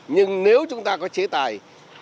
nhưng nếu chúng ta có chế tài